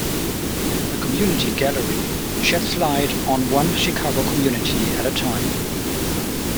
The Community Gallery sheds light on one Chicago community at a time.